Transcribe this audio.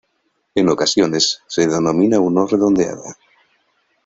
En ocasiones, se denomina "u no redondeada".